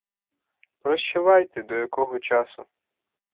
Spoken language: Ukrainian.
Прощавайте до якого часу!